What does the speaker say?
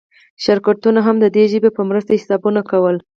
شرکتونه هم د دې ژبې په مرسته حسابونه کول.